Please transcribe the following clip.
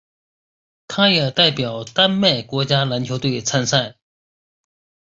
他也代表丹麦国家篮球队参赛。